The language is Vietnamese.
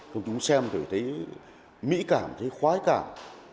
công chúng xem thì thấy mỹ cảm thấy khoái cảm